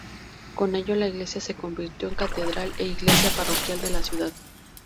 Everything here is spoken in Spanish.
Con ello la iglesia se convirtió en catedral e iglesia parroquial de la ciudad.